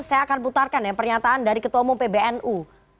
saya akan putarkan ya pernyataan dari ketua umum pbnu